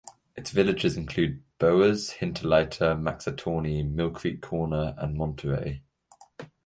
Its villages include Bowers, Hinterleiter, Maxatawny, Mill Creek Corner, and Monterey.